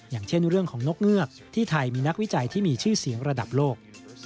อย่างเช่นเรื่องของนกเงือกที่ไทยมีนักวิจัยที่มีชื่อเสียงระดับโลก